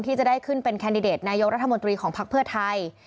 ที่จะได้ขึ้นเป็นแคนดิเดตนายกรัฐมนตรีของภักดิ์เพื่อไทย